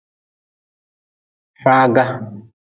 Faaga.